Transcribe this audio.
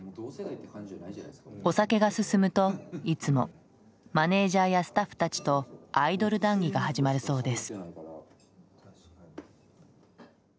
お酒が進むといつもマネージャーやスタッフたちとアイドル談議が始まるそうです。